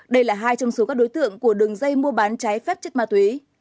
đây là hai trong số các đối tượng của đường dây mua bán trái phép chất ma túy